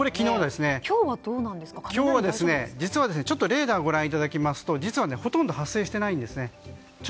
レーダーをご覧いただきますと実はほとんど発生していないんです。